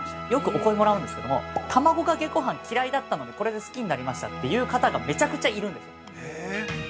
よくお米もらうんですけども、卵かけごはん嫌いだったのに、これで好きになりましたという方がめちゃくちゃいるんですよ。